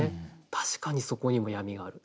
確かにそこにも闇がある。